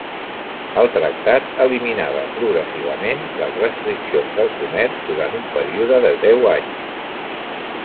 El tractat eliminava progressivament les restriccions al comerç durant u període de deu anys.